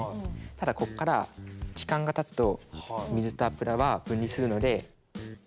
ただここから時間がたつと水と油は分離するので。